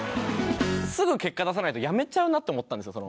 すぐ結果出さないと辞めちゃうなって思ったんですよ。